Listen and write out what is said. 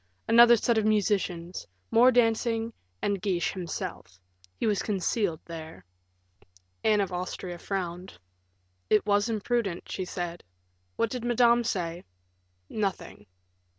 Another set of musicians; more dancing, and Guiche himself he was concealed there." Anne of Austria frowned. "It was imprudent," she said. "What did Madame say?" "Nothing."